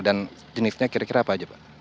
dan jenisnya kira kira apa aja pak